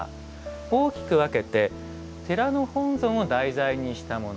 大きく分けて、寺の本尊を題材にしたもの。